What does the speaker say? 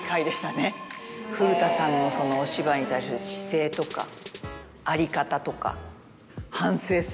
古田さんのそのお芝居に対する姿勢とか在り方とか。